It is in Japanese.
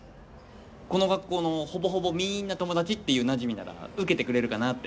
この学校の、ほぼほぼみんな友達っていうなじみなら受けてくれるかなって。